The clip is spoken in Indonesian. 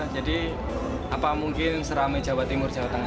jadi apa mungkin seramai jawa timur jawa tengah